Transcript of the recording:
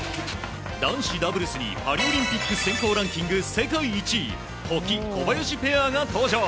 男子ダブルスにパリオリンピック選考ランキング世界１位保木、小林ペアが登場。